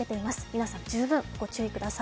皆さん十分ご注意ください。